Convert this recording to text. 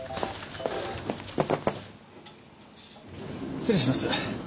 失礼します。